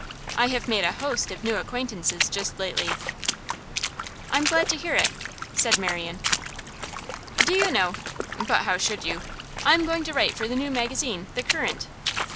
I have made a host of new acquaintances just lately.' 'I'm glad to hear it,' said Marian. 'Do you know but how should you? I am going to write for the new magazine, The Current.